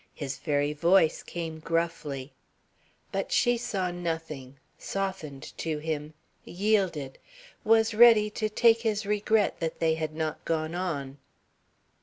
His very voice came gruffly. But she saw nothing, softened to him, yielded, was ready to take his regret that they had not gone on.